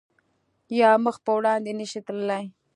یا مخ په وړاندې نه شی تللی